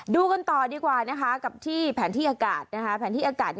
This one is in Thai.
ดูค้นต่อดีกว่านะคะที่แผนที่อากาศ